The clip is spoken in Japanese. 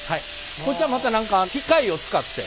こっちはまた何か機械を使って。